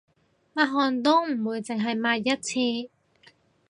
抹汗都唔會淨係抹一次